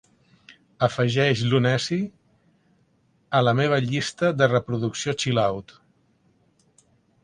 Afegeix lunacy a la meva llista de reproducció chill out